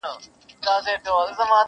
يوه ورځ باران کيږي او کلي ته سړه فضا راځي،